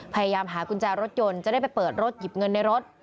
พยายามหากุญแจรถยนต์จะได้ไปเปิดรถหยิบเงินในรถ